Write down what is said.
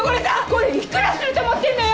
これいくらすると思ってんのよ！